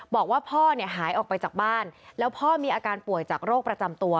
บอกว่าพ่อเนี่ยหายออกไปจากบ้านแล้วพ่อมีอาการป่วยจากโรคประจำตัว